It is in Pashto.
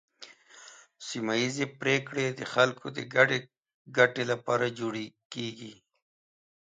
سیمه ایزې پریکړې د خلکو د ګډې ګټې لپاره جوړې کیږي.